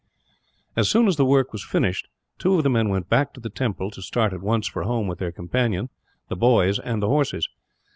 As soon as the work was finished, two of the men went back to the temple, to start at once for home with their companion, the boys, and the horses.